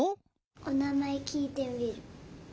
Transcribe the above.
おなまえきいてみる。